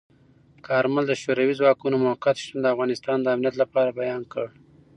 کارمل د شوروي ځواکونو موقت شتون د افغانستان د امنیت لپاره بیان کړ.